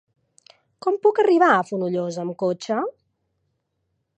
Com puc arribar a Fonollosa amb cotxe?